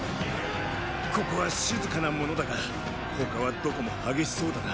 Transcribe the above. ここは静かなものだが他はどこも激しそうだな。